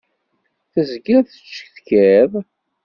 Tezgiḍ tettcetkiḍ.